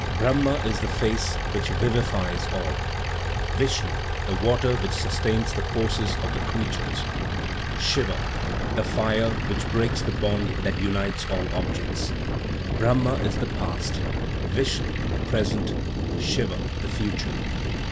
Brahma is the face which vivifies all; Vishnu, the water which sustains the forces of the creatures; Siva, the fire which breaks the bond that unites all objects. Brahma is the past; Vishnu, the present; Siva, the future.